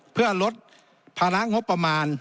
เพื่อลดภาระงบประมาณ